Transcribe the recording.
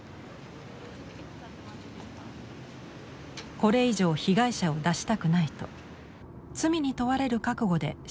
これ以上被害者を出したくないと罪に問われる覚悟で証言しました。